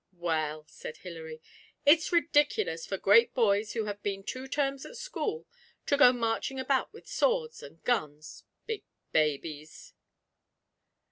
'Well,' said Hilary, 'it's ridiculous for great boys who have been two terms at school to go marching about with swords and guns. Big babies!'